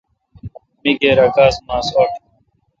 می کیر اؘ کاس ماس اوٹ۔